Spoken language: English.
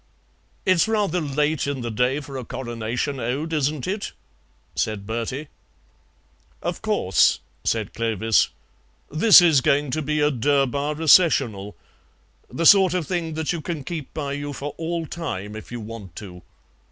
"It's rather late in the day for a Coronation Ode, isn't it?" said Bertie. "Of course," said Clovis; "this is going to be a Durbar Recessional, the sort of thing that you can keep by you for all time if you want to."